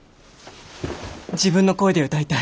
自分の声で歌いたい。